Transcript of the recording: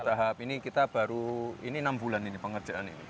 tahap ini kita baru ini enam bulan ini pengerjaan ini